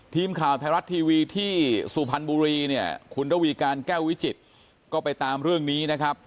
ทีมข่าวไทยรัฐทีวีที่สุพรรณบุรีเนี่ยคุณระวีการแก้ววิจิตรก็ไปตามเรื่องนี้นะครับ